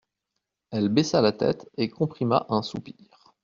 Elle baissa la tête et comprima un soupir.